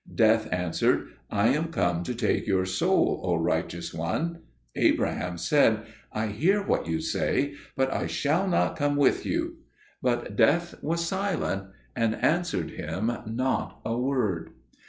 Death answered, "I am come to take your soul, O righteous one." Abraham said, "I hear what you say, but I shall not come with you." But Death was silent and answered him not a word.